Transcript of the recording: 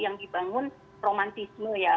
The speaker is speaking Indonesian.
yang dibangun romantisme ya